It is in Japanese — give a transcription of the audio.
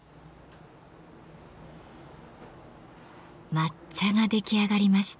抹茶が出来上がりました。